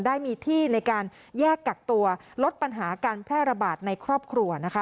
ได้มีที่ในการแยกกักตัวลดปัญหาการแพร่ระบาดในครอบครัวนะคะ